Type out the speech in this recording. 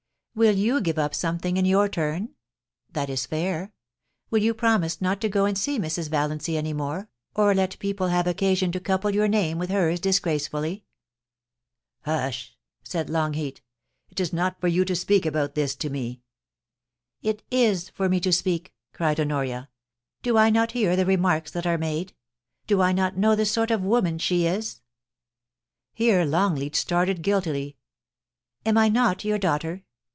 Will you give up something in your turn ? That is fair. Will you promise not to go and see Mrs. Valiancy any more, or let people have occasion to couple your name with hers disgrace fully ?'* Hush !' said Longleat ;* it is not for you to speak about this to me.' * It is for me to speak !' cried Honoria. * Do I not hear the remarks that are made ? Do I not know the sort of woman she is?* (Here Longleat started guiltily.) 'Am I not your daughter